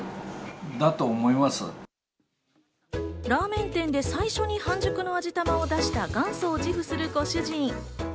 ラーメン店で最初に半熟の味玉を出した元祖を自負するご主人。